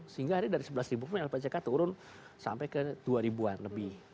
sehingga dari sebelas pun lpck turun sampai ke dua an lebih